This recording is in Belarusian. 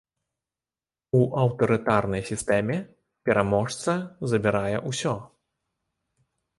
У аўтарытарнай сістэме пераможца забірае ўсё.